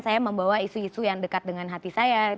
saya membawa isu isu yang dekat dengan hati saya